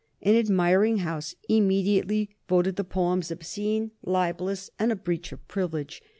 An admiring House immediately voted the poems obscene, libellous, and a breach of privilege.